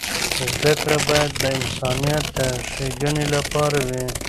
زده کړه باید د انسانیت د ښیګڼې لپاره وي.